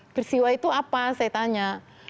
peristiwa itu apa saya tanya